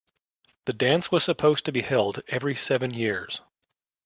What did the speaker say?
The dance was supposed to be held every seven years.